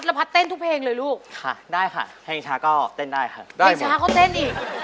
แฮงชาเขาเต้นอีก